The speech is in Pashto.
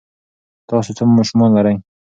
تاسو څو ماشومان لرئ؟